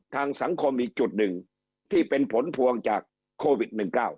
ทางสังคมอีกจุดหนึ่งที่เป็นผลพวงจากโควิด๑๙